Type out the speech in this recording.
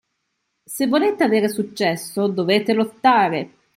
Se volete avere successo, dovete lottare!